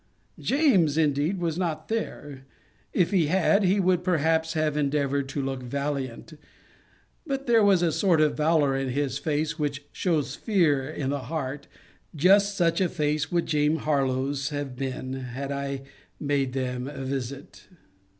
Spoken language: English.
James, indeed, was not there. If he had, he would perhaps have endeavoured to look valiant. But there is a sort of valour in the face, which shews fear in the heart: just such a face would James Harlowe's have been, had I made them a visit.